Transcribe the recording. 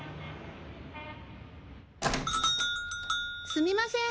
すみません。